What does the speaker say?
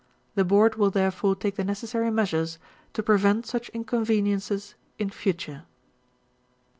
The Board will therefore take the necessary measures to prevent such inconveniences in future.